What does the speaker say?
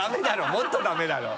もっとダメだろ。